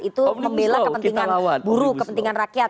itu membela kepentingan buruh kepentingan rakyat